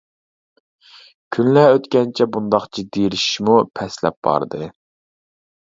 كۈنلەر ئۆتكەنچە بۇنداق جىددىيلىشىشمۇ پەسلەپ باردى.